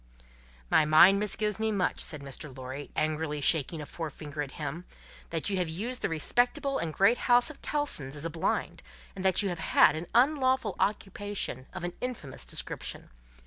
"My mind misgives me much," said Mr. Lorry, angrily shaking a forefinger at him, "that you have used the respectable and great house of Tellson's as a blind, and that you have had an unlawful occupation of an infamous description.